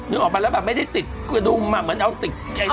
นึกออกไปแล้วแบบไม่ได้ติดกระดูกมาเหมือนเอาติดใจนั้น